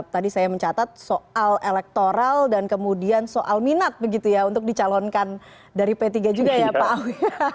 tadi saya mencatat soal elektoral dan kemudian soal minat begitu ya untuk dicalonkan dari p tiga juga ya pak awi